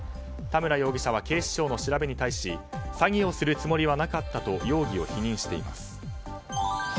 田村容疑者は警視庁の調べに対し詐欺をするつもりはなかったと容疑を否認しています。